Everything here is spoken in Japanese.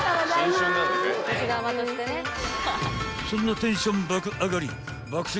［そんなテンション爆